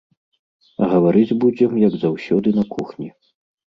А гаварыць будзем, як заўсёды, на кухні.